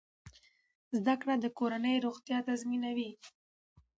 زده کړه د کورنۍ روغتیا تضمینوي۔